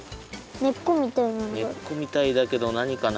ねっこみたいだけどなにかな？